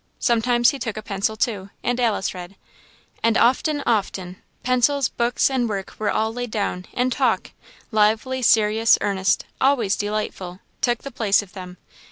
Sometimes he took a pencil too, and Alice read; and often, often, pencils, books, and work were all laid down; and talk lively, serious, earnest, always delightful took the place of them.